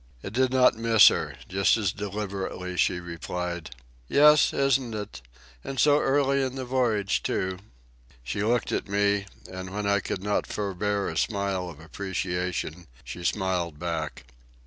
It did not miss her. Just as deliberately she replied: "Yes, isn't it? And so early in the voyage, too." She looked at me, and when I could not forbear a smile of appreciation she smiled back.